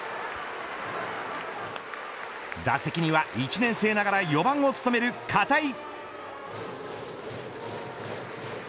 打席には１年生ながら４番を務める片井。